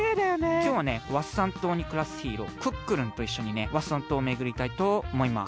きょうはねワッサン島にくらすヒーロークックルンといっしょにねワッサン島をめぐりたいとおもいます。